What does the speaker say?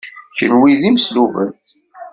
Kenwi d imesluben.